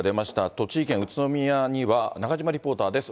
栃木県宇都宮には中島リポーターです。